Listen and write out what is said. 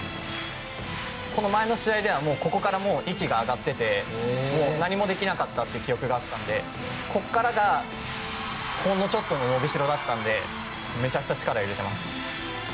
この前の試合ではここから息が上がっててもう何もできなかったって記憶があったのでここからがほんのちょっとの伸びしろだったのでめちゃくちゃ力を入れてます。